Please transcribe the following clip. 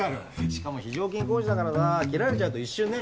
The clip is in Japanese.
しかも非常勤講師だからさ切られちゃうと一瞬ね。